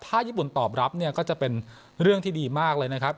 ถ้าญี่ปุ่นตอบรับเนี่ยก็จะเป็นเรื่องที่ดีมากเลยนะครับ